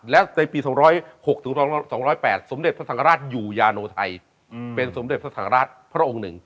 และในปี๒๐๖๒๐๘สมเด็จพระสังฆราชอยู่ยาโนไทยเป็นสมเด็จพระสังราชพระองค์๑